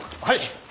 はい！